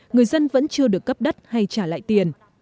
người dân vẫn chưa được cấp đất hay trả lại tiền